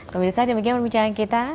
kemudian begini perbincangan kita